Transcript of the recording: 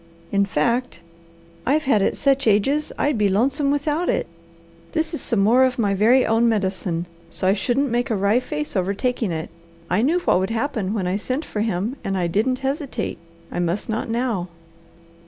In fact, I've had it such ages I'd be lonesome without it. This is some more of my very own medicine, so I shouldn't make a wry face over taking it. I knew what would happen when I sent for him, and I didn't hesitate. I must not now.